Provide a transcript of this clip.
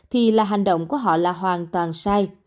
thì là hành động của họ là hoàn toàn sai